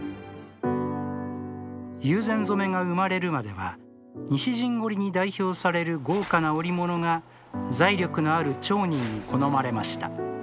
友禅染が生まれるまでは西陣織に代表される豪華な織物が財力のある町人に好まれました。